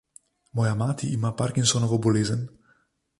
Moja mati ima Parkinsonovo bolezen.